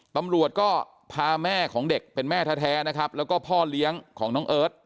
ตำรวจก็พาแม่ของเด็กเป็นแม่แท้นะครับแล้วก็พ่อเลี้ยงของน้องเอิร์ท